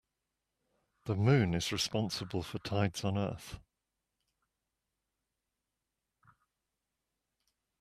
The moon is responsible for tides on earth.